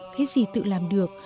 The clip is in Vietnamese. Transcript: cái gì tự làm được